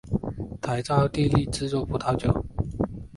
他还在奥地利制作葡萄酒。